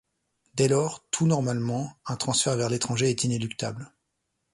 Dès lors, tout normalement, un transfert vers l'étranger est inéluctable.